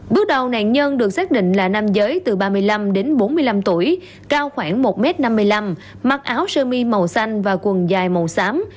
bước đầu nạn nhân được xác định là nam giới từ ba mươi năm đến bốn mươi năm tuổi cao khoảng một m năm mươi năm mặc áo sơ mi màu xanh và quần dài màu xám